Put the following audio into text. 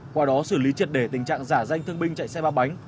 qua đó xử lý triệt đề tình trạng giả danh thương binh chạy xe ba bánh